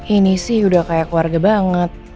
ini sih udah kayak keluarga banget